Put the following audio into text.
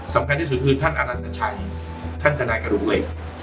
สำคัญที่สุดคือท่านอนันตชัยท่านทนายกระดูกเหล็ก